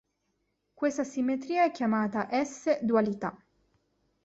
Questa simmetria è chiamata S-dualità.